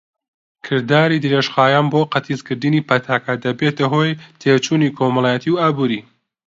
کرداری درێژخایەن بۆ قەتیسکردنی پەتاکە دەبێتە هۆی تێچووی کۆمەڵایەتی و ئابووری.